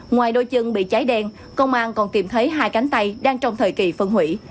ngoài đôi chân bị cháy đen công an còn tìm thấy hai cánh tay đang trong thời kỳ phân hủy